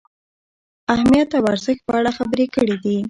اهمیت او ارزښت په اړه خبرې کړې دي.